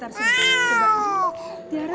tadi tiara udah ambil cerita